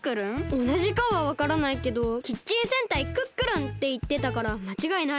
おなじかはわからないけど「キッチン戦隊クックルン！」っていってたからまちがいない。